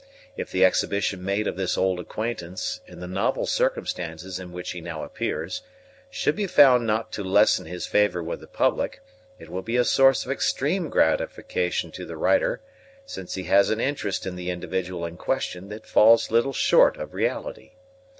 If the exhibition made of this old acquaintance, in the novel circumstances in which he now appears, should be found not to lessen his favor with the Public, it will be a source of extreme gratification to the writer, since he has an interest in the individual in question that falls little short of reality.